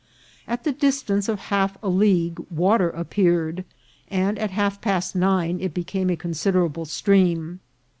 At the distance of half a league water appeared, and at half past nine it became a con siderable stream.